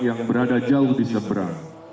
yang berada jauh diseberang